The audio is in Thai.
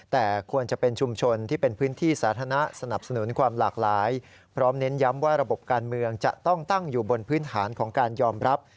แต่ควรจะเป็นชุมชนที่เป็นพื้นที่สาธารณะสนับสนุนความหลากหลายพร้อมเน้นย้ำว่าระบบการเมืองจะต้องตั้งอยู่บนพื้นฐานของการยอมรับ